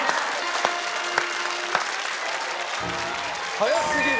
早すぎる。